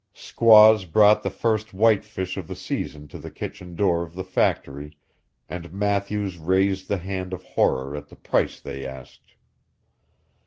Squaws brought the first white fish of the season to the kitchen door of the factory, and Matthews raised the hand of horror at the price they asked.